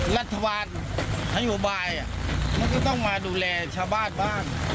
รัฐบาลนโยบายมันก็ต้องมาดูแลชาวบ้านบ้าง